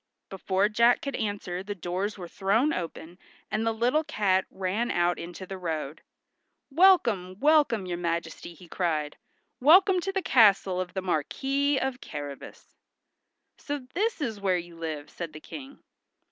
Before Jack could answer the doors were thrown open, and the little cat ran out into the road. "Welcome, welcome, your majesty," he cried. "Welcome to the castle of the Marquis of Carrabas." "So this is where you live," said the King.